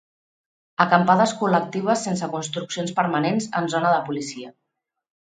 Acampades col·lectives sense construccions permanents en zona de policia.